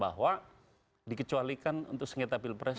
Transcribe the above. bahwa dikecualikan untuk sengketa pilpres